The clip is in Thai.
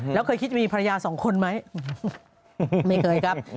แล้วเคยคิดจะมีภรรยาสองคนไหมไม่เคยครับ